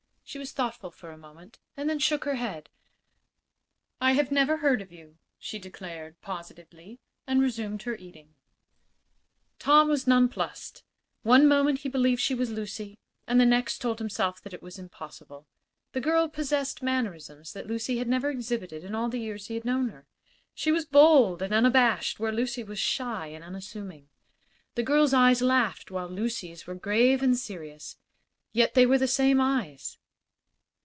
She was thoughtful for a moment and then shook her head. "I have never heard of you," she declared, positively, and resumed her eating. Tom was nonplussed. One moment he believed she was Lucy, and the next told himself that it was impossible. This girl possessed mannerisms that Lucy had never exhibited in all the years he had known her. She was bold and unabashed where Lucy was shy and unassuming. This girl's eyes laughed, while Lucy's were grave and serious; yet they were the same eyes.